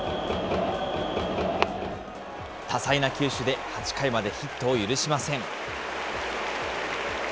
多彩な球種で、８回までヒットを許しません。